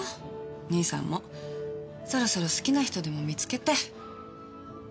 義兄さんもそろそろ好きな人でも見つけて。